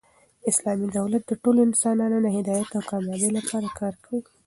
اسلامي دولت د ټولو انسانانو د هدایت او کامبابۍ له پاره کار کوي.